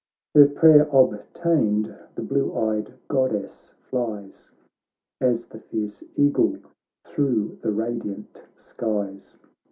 Her prayer obtained, the blue eyed God dess flies As the fierce eagle, thro' the radiant skies.